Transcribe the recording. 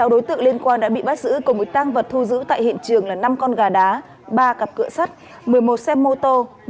sáu đối tượng liên quan đã bị bắt giữ cùng với tang vật thu giữ tại hiện trường là năm con gà đá ba cặp cửa sắt một mươi một xe mô tô